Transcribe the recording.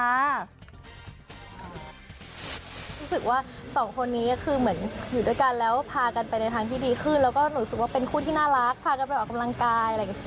รู้สึกว่าสองคนนี้ก็คือเหมือนอยู่ด้วยกันแล้วพากันไปในทางที่ดีขึ้นแล้วก็รู้สึกว่าเป็นคู่ที่น่ารักพากันไปออกกำลังกายอะไรอย่างนี้